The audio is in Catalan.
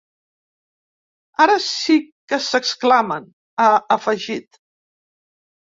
Ara sí que s’exclamen, ha afegit.